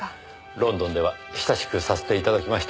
ロンドンでは親しくさせて頂きました。